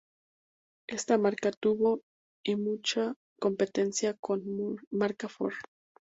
Esta marca tuvo, y tiene, mucha competencia con la marca Ford.